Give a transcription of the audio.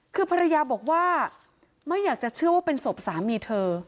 คือภรรยาบอกว่าไม่อยากจะเชื่อว่าเป็นศพสามีเธอ